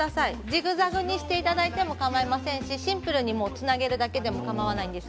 ジグザグにしていただいてもシンプルにつなげるだけでもかまいません。